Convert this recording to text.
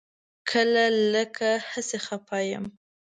کله لکه هسې خپه یم.